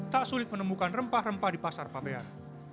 tak sulit menemukan rempah rempah di pasar pabean